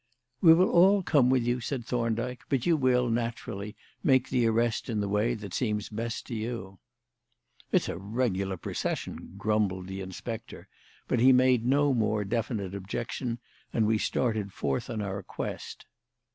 "We will all come with you," said Thorndyke; "but you will, naturally, make the arrest in the way that seems best to you." "It's a regular procession," grumbled the inspector; but he made no more definite objection, and we started forth on our quest.